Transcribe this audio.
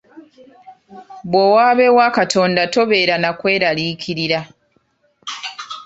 Bw'owaaba ewa Katonda tobeera na kweraliikirira.